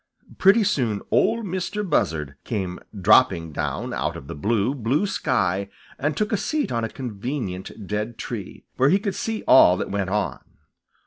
Pretty soon Ol' Mistah Buzzard came dropping down out of the blue, blue sky and took a seat on a convenient dead tree, where he could see all that went on.